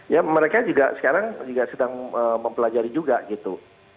ya mereka juga sekarang sedang mempelajari juga gitu